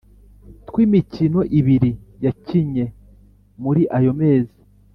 tw’imikino ibiri yakinye muri ayo mezi